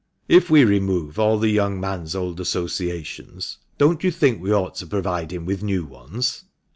"If we remove all the young man's old associations, don't you think we ought to provide him with new ones